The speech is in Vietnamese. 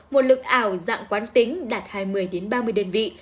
nguồn lực ảo dạng quán tính đạt hai mươi ba mươi đơn vị